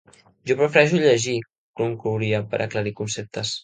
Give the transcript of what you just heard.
Jo prefereixo llegir —conclouria, per aclarir conceptes.